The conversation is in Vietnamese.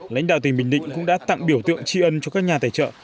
lãnh đạo tỉnh bình định cũng đã tặng biểu tượng tri ân cho các nhà tài trợ